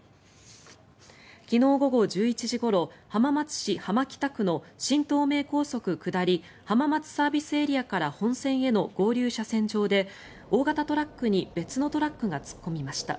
昨日午後１１時ごろ浜松市浜北区の新東名高速下り浜松ＳＡから本線への合流車線上で大型トラックに別のトラックが突っ込みました。